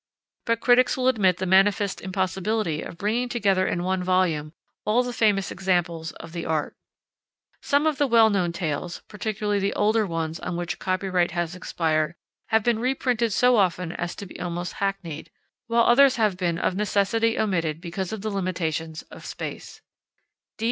But critics will admit the manifest impossibility of bringing together in one volume all the famous examples of the art. Some of the well known tales, particularly the older ones on which copyright has expired, have been reprinted so often as to be almost hackneyed, while others have been of necessity omitted because of the limitations of space.